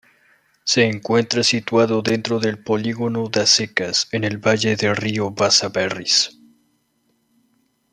Se encuentra situado dentro del Polígono das Secas en el Valle del río Vaza-Barris.